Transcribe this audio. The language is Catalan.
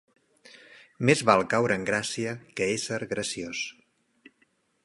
Més val caure en gràcia que ésser graciós.